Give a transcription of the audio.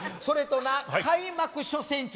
それとな開幕初戦